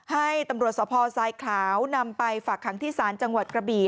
ให้ตำรวจสภทรายขาวนำไปฝากขังที่ศาลจังหวัดกระบี่